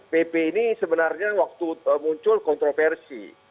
pp ini sebenarnya waktu muncul kontroversi